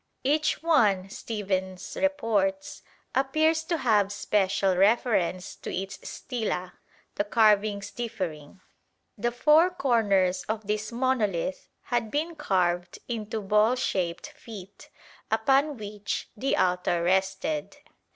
Each one, Stephens reports, appears to have special reference to its stela, the carvings differing. The four corners of this monolith had been carved into ball shaped feet, upon which the altar rested.